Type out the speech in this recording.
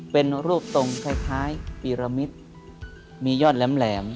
เป็นรูปตรงคล้ายปีรมิตมียอดแหลม